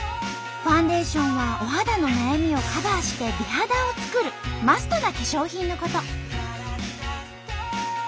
ファンデーションはお肌の悩みをカバーして美肌を作るマストな化粧品のこと。